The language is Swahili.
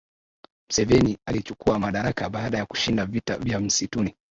mseveni alichukua madaraka baada ya kushinda vita vya msituni